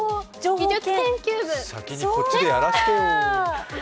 こっちでやらせてよ。